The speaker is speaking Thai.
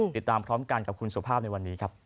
ติดตามพร้อมกันกับคุณสุภาพในวันนี้ครับ